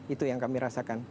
itu yang kami rasakan